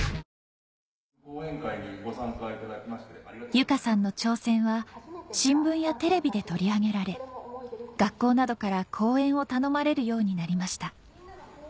由佳さんの挑戦は新聞やテレビで取り上げられ学校などから講演を頼まれるようになりました